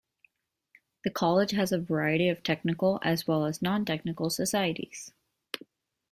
The college has a variety of Technical as well as nontechnical societies.